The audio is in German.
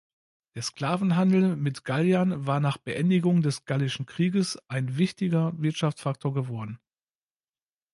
Der Sklavenhandel mit Galliern war nach Beendigung des Gallischen Krieges ein wichtiger Wirtschaftsfaktor geworden.